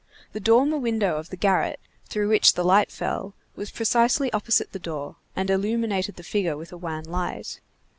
The dormer window of the garret, through which the light fell, was precisely opposite the door, and illuminated the figure with a wan light.